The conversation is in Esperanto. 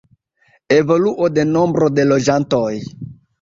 Evoluo de nombro de loĝantoj.